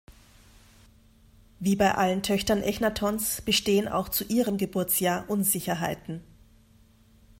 Wie bei allen Töchtern Echnatons bestehen auch zu ihrem Geburtsjahr Unsicherheiten.